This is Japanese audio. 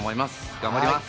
頑張ります。